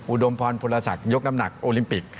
อุดมพรพลศักดิยกน้ำหนักโอลิมปิก